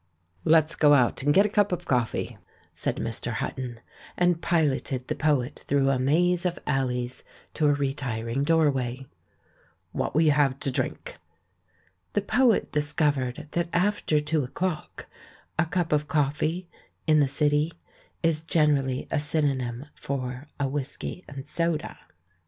"Let's go out and get a cup of coffee," said Mr. Hutton, and piloted the poet through a maze of alleys to a retiring doorway. "What will you have to drink?" The poet discovered that after two o'clock "a cup of coffee" in the City is gen erally a synonym for a whisky and soda.